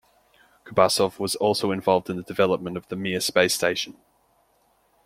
Kubasov was also involved in the development of the Mir space station.